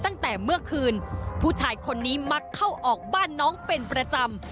ตั้งแต่เมื่อคืนผู้ชายคนนี้มักเข้าออกบ้านน้องเป็นประจำ